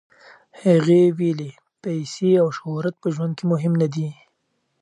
هغې ویلي، پیسې او شهرت په ژوند کې مهم نه دي.